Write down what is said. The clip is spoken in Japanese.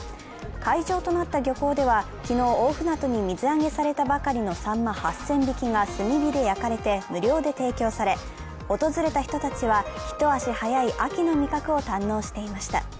会場となった漁港では昨日、大船渡に水揚げされたばかりのさんま８０００匹が炭火で焼かれて無料で提供され、訪れた人たちは一足早い秋の味覚を堪能していました。